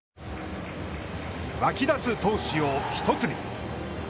湧き出す闘志を１つに。